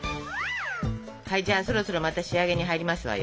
じゃあそろそろまた仕上げに入りますわよ。ＯＫ。